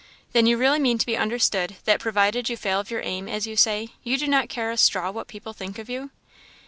"Then you really mean to be understood, that provided you fail of your aim, as you say, you do not care a straw what people think of you?"